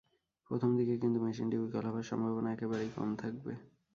প্রথম দিকে কিন্তু মেশিনটি বিকল হবার সম্ভাবনা একেবারেই কম থাকবে।